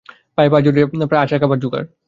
পায়ে পা জড়িয়ে প্রায় আছাড় খাবার জোগাড়।